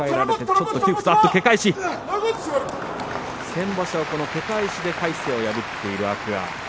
先場所、け返しで魁聖を破っている天空海